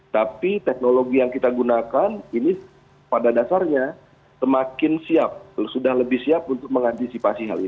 tapi teknologi yang kita gunakan ini pada dasarnya semakin siap sudah lebih siap untuk mengantisipasi hal ini